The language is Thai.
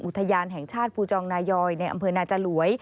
อุทยานแห่งชาติภูจองนายอยในอำเภอนาจลวย